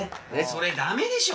それ駄目でしょ！